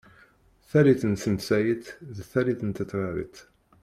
Tallit n tensayit d tallit n tetrarit.